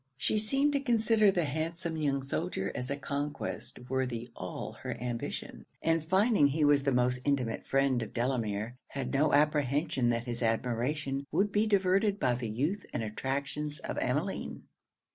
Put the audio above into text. She seemed to consider the handsome young soldier as a conquest worthy all her ambition; and finding he was the most intimate friend of Delamere, had no apprehension that his admiration would be diverted by the youth and attractions of Emmeline.